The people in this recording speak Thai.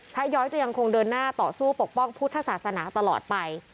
ย้อยจะยังคงเดินหน้าต่อสู้ปกป้องพุทธศาสนาตลอดไป